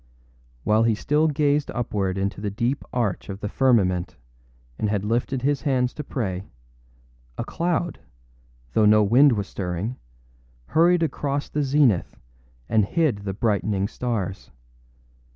While he still gazed upward into the deep arch of the firmament and had lifted his hands to pray, a cloud, though no wind was stirring, hurried across the zenith and hid the brightening stars.